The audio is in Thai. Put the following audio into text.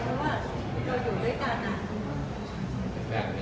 เพราะว่าเราอยู่ด้วยกัน